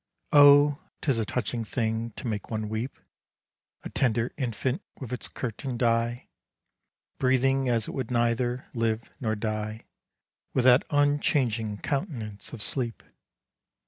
Oh, 'tis a touching thing, to make one weep, A tender infant with its curtain'd eye, Breathing as it would neither live nor die With that unchanging countenance of sleep!